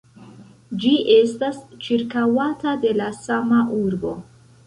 Ĝi estas ĉirkaŭata de la sama urbo.